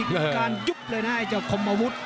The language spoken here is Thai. มันไม่มีการกำเนาะเลยนะแอ้เจ้าขมมะวุฏ